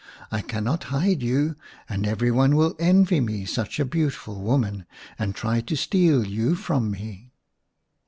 " I cannot hide you, and every one will envy me such a beautiful woman, and try to steal you from me."